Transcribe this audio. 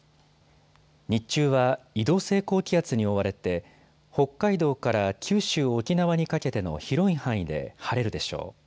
日中は移動性高気圧に覆われて北海道から九州・沖縄にかけての広い範囲で晴れるでしょう。